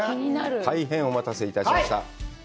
大変お待たせいたしました。